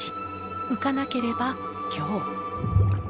浮かなければ凶。